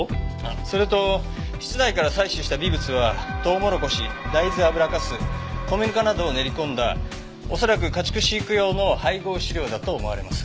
それと室内から採取した微物はとうもろこし大豆油かす米ぬかなどを練り込んだおそらく家畜飼育用の配合飼料だと思われます。